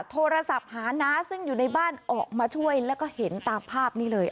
โทรศัพท์หาน้าซึ่งอยู่ในบ้านออกมาช่วยแล้วก็เห็นตามภาพนี้เลย